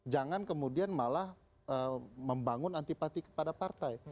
jangan kemudian malah membangun anti partai kepada partai